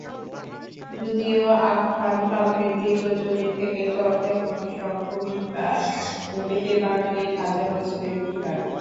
যদিও আখ্যানকাব্যের দীর্ঘ জমিন থেকে চর্যা-বৈষ্ণব কবিতার ভূমিতে বাঙালির হাজার বছরের বিহার।